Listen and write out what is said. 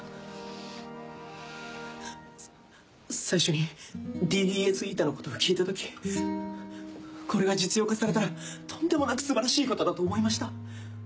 最初にＤＤＳηのことを聞いた時これが実用化されたらとんでもなく素晴らしいことだと思いました。